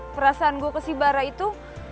perasaan gue ke si bara itu